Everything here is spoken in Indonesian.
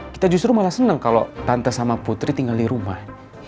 kita justru malah senang kalau tante sama putri tinggal di rumah